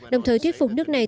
đồng thời thuyết phục nước này